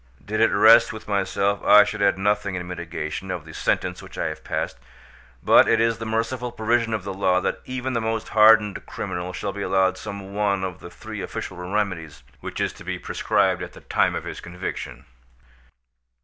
Did it rest with myself, I should add nothing in mitigation of the sentence which I have passed, but it is the merciful provision of the law that even the most hardened criminal shall be allowed some one of the three official remedies, which is to be prescribed at the time of his conviction.